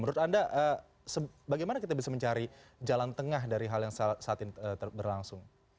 menurut anda bagaimana kita bisa mencari jalan tengah dari hal yang saat ini berlangsung